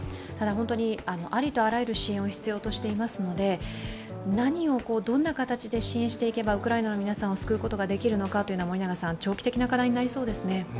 ただ、本当にありとあらゆる支援を必要としていますので何をどんな形で支援していけばウクライナの皆さんを救うことができるかというのは長期的な課題になりそうですね。